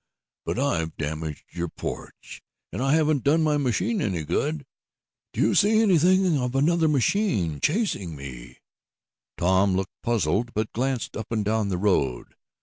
But I've damaged your porch, and I haven't done my machine any good. Do you see anything of another machine chasing me?" Tom looked puzzled, but glanced up and down the road.